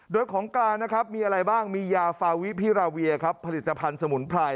โดยของกลางนะครับมีอะไรบ้างมียาฟาวิพิราเวียครับผลิตภัณฑ์สมุนไพร